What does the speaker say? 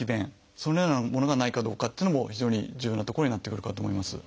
そのようなものがないかどうかというのも非常に重要なところになってくるかと思います。